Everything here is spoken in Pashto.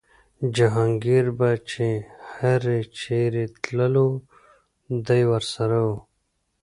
جهانګیر به چې هر چېرې تللو دی ورسره و.